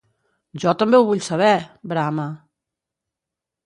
Jo també ho vull saber! —brama.